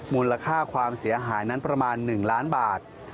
มูลค่าความเสียหายนั้นประมาณ๑ล้านบาท